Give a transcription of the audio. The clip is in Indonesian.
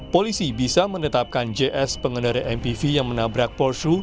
polisi bisa menetapkan js pengendara mpv yang menabrak porsu